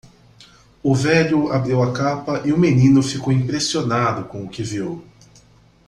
O velho abriu a capa e o menino ficou impressionado com o que viu.